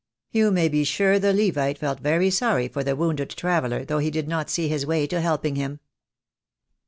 You may be sure the Levite felt very sorry for the wounded traveller, though he did not see his way to helping him."